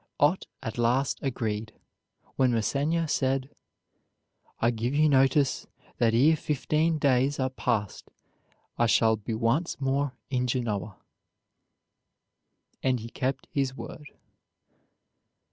Ott at last agreed, when Massena said: "I give you notice that ere fifteen days are passed I shall be once more in Genoa," and he kept his word.